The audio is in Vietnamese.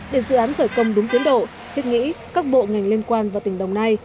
để dự án khởi công đúng tiến độ thiết nghĩ các bộ ngành liên quan vào tỉnh đồng nai